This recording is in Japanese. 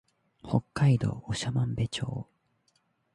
北海道長万部町